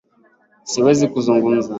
Siwezi kuzungumza